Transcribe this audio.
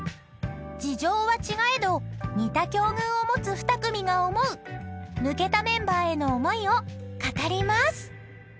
［事情は違えど似た境遇を持つ２組が思う抜けたメンバーへの思いを語ります］